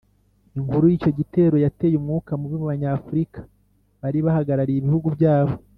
inkuru y'icyo gitero yateye umwuka mubi mu banyafurika bari bahagarariye ibihugu byabo,